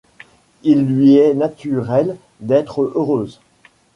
Il lui est naturel d’être heureuse.